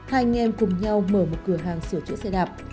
hai anh em cùng nhau mở một cửa hàng sửa chữa xe đạp